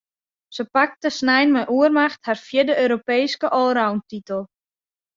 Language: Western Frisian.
Se pakte snein mei oermacht har fjirde Europeeske allroundtitel.